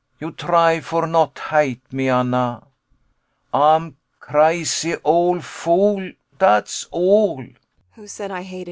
] You try for not hate me, Anna. Ay'm crazy ole fool, dat's all.